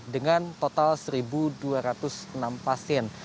dengan total satu dua ratus enam pasien